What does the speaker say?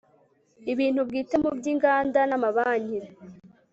ibintu bwite mu by inganda na mabanki